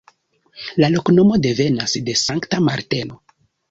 La loknomo devenas de Sankta Marteno.